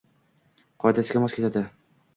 qoidasiga mos keladi.